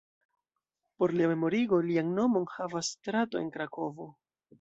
Por lia memorigo, lian nomon havas strato en Krakovo.